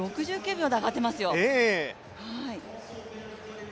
６９秒で上がってますよ。